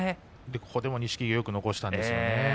ここでも錦木、よく残したんですね。